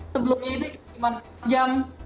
sebelumnya itu cuma jam